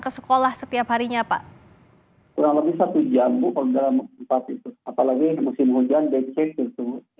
kurang lebih satu jam bu apalagi musim hujan dan kecil